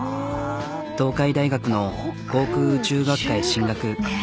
東海大学の航空宇宙学科へ進学。